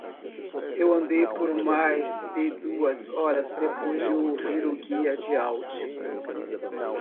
Eu andei por mais de duas horas depois de ouvir o guia de áudio.